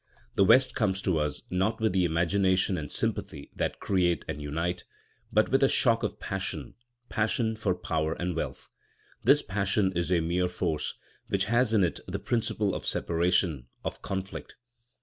The West comes to us, not with the imagination and sympathy that create and unite, but with a shock of passion—passion for power and wealth. This passion is a mere force, which has in it the principle of separation, of conflict.